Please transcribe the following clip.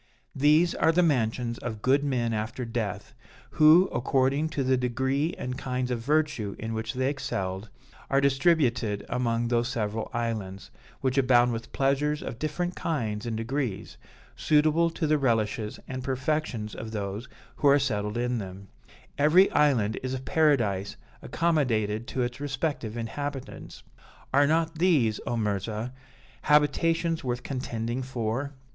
These are the mansions of good men after death, who, according to the degree and kinds of virtue in which they excelled, are distributed among these several islands, which abound with pleasures of different kinds and degrees, suitable to the relishes and perfections of those who are settled in them: every island is a paradise accommodated to its respective inhabitants. Are not these, O Mirzah, habitations worth contending for?